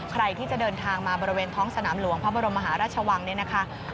ใครที่จะเดินทางมาบริเวณท้องสนามหลวงพระบรมมหาราชวังเนี่ยนะคะ